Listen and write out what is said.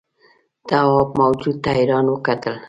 تواب موجود ته حیران وکتل.